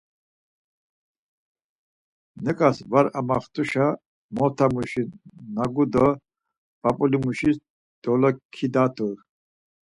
Neǩas var amaxtuşa mota muşi nagu do p̌ap̌uli muşis dolaǩidat̆u.